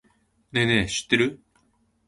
ねぇねぇ、知ってる？